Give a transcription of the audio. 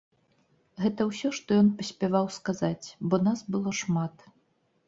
Гэта ўсё, што ён паспяваў сказаць, бо нас было шмат.